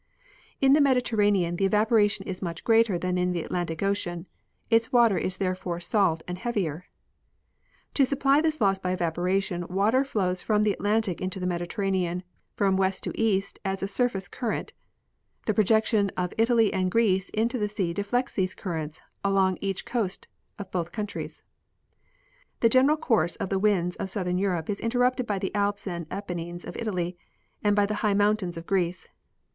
In the Mediterranean the evaporation is much greater than in the Atlantic ocean; its water is therefore salt and heavier. To supply this loss by evaporation, water flows from the Atlantic into the Mediterranean from west to east as a surface current. The projection of Italy and Greece into the sea deflects these currents along each coast of both countries. The general course of the winds of southern Europe is inter rupted by the Alps and Apennines in Italy, and by the high mountains in Greece.